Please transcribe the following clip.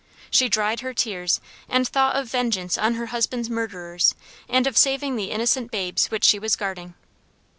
She dried her tears and thought of vengeance on her husband's murderers and of saving the innocent babes which she was guarding.